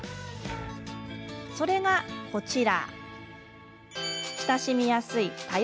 それが、こちら。